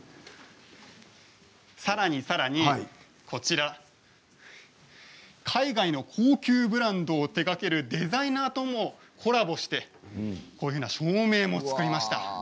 さらに、さらにこちらは海外の高級ブランドを手がけるデザイナーともコラボしてこのような照明も作りました。